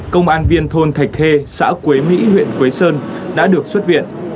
công an viên thôn thạch khê xã quế mỹ huyện quế sơn đã được xuất viện